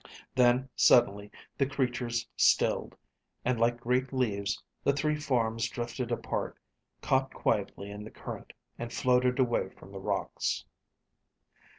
Then suddenly, the creatures stilled, and like great leaves, the three forms drifted apart, caught quietly in the current, and floated away from the rocks.